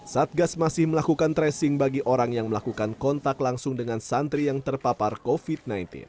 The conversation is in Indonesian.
satgas masih melakukan tracing bagi orang yang melakukan kontak langsung dengan santri yang terpapar covid sembilan belas